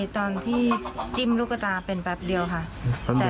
ตอนที่จิ้มลูกตาเป็นแป๊บเดียวค่ะ